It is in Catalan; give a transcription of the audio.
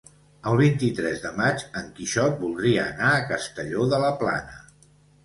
El vint-i-tres de maig en Quixot voldria anar a Castelló de la Plana.